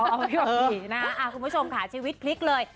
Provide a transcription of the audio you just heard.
เอาพลิกดีนะค่ะคุณผู้ชมค่ะชีวิตพลิกเลย